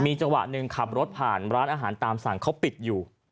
จังหวะหนึ่งขับรถผ่านร้านอาหารตามสั่งเขาปิดอยู่